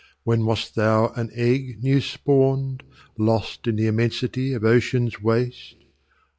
When wast thou an egg new spawn'd, Lost in the immensity of ocean's waste?